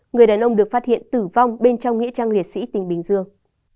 người đàn ông được phát hiện tử vong bên trong nghĩa trang liệt sĩ tỉnh bình dương